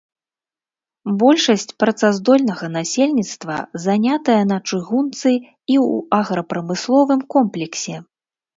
Большасць працаздольнага насельніцтва занятая на чыгунцы і ў аграпрамысловым комплексе.